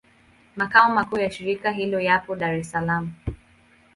Makao makuu ya shirika hilo yapo Dar es Salaam.